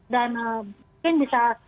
dan mungkin bisa